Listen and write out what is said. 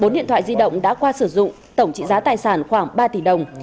bốn điện thoại di động đã qua sử dụng tổng trị giá tài sản khoảng ba tỷ đồng